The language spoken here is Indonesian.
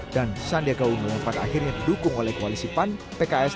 dan sandiaka umum yang pada akhirnya didukung oleh kualisi pan pks